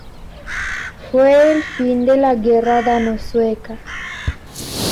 Fue el fin de la guerra dano-sueca.